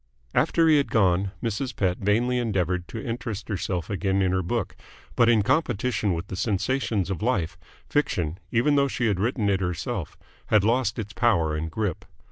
After he had gone, Mrs. Pett vainly endeavoured to interest herself again in her book, but in competition with the sensations of life, fiction, even though she had written it herself, had lost its power and grip.